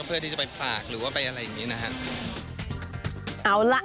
เพื่อไปฝาก